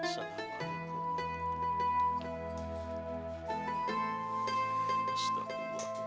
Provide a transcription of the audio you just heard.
assalamualaikum warahmatullahi wabarakatuh